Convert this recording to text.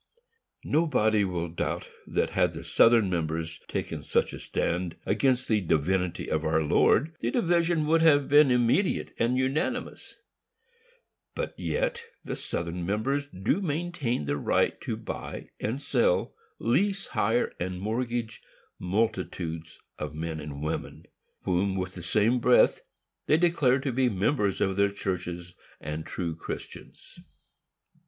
Nobody will doubt that, had the Southern members taken such a stand against the divinity of our Lord, the division would have been immediate and unanimous; but yet the Southern members do maintain the right to buy and sell, lease, hire and mortgage, multitudes of men and women, whom, with the same breath, they declared to be members of their churches and true Christians.